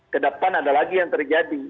kedepan ada lagi yang terjadi